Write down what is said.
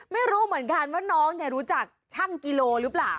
ไม่รู้เหมือนกันว่าน้องรู้จักช่างกิโลหรือเปล่า